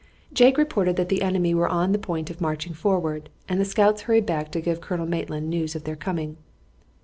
Jake reported that the enemy were on the point of marching forward, and the scouts hurried back to give Colonel Maitland news of their coming.